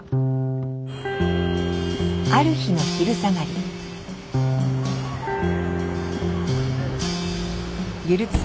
ある日の昼下がり。